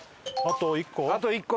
あと１個？